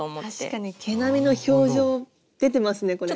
確かに毛並みの表情出てますねこれ。